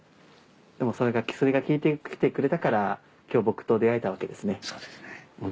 薬が効いてきてくれたから今日僕と出会えたわけですね。